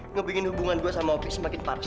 ngebingin hubungan gue sama opi semakin parah